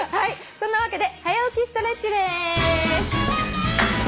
そんなわけで「はや起きストレッチ」です。